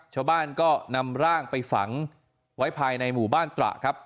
ชาวบ้านก็นำร่างไปฝังไว้ภายในหมู่บ้านตระครับ